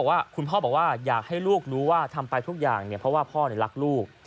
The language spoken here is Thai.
ว่าคุณพ่อบอกว่าอยากให้ลูกรู้ว่าทำไปทุกอย่างเนี่ยเพราะว่าพ่อรักลูก